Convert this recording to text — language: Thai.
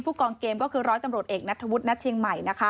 ผู้กองเกมก็คือร้อยตำรวจเอกนัตฑวุฒิ์ณชี่แข่งใหม่